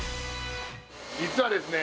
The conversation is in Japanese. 実はですね